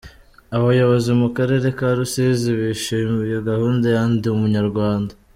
Abayobozi mu karere ka Rusizi bishimiye gahunda ya "Ndi Umunyarwanda".